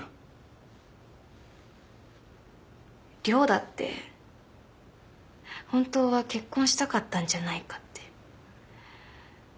亮だって本当は結婚したかったんじゃないかって。